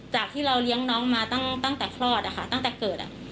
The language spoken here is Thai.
จากที่เราเลี้ยงน้องมาตั้งแต่คลอดอะค่ะตั้งแต่เกิด